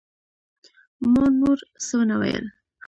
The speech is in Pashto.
ما نور څه ونه ويل.